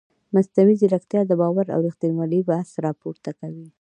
مصنوعي ځیرکتیا د باور او ریښتینولۍ بحث راپورته کوي.